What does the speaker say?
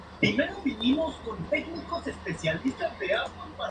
Suele vivir en zonas aisladas, como en terrenos inundables de ríos.